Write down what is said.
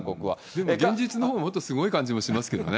でも現実のほうがもっとすごい感じもしますけどね。